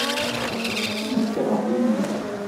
Yekṛeh-iyi.